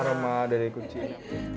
aroma dari kucing